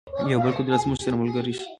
یو بل قدرت زموږ سره ملګری شي.